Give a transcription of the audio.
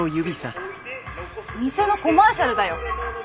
店のコマーシャルだよ。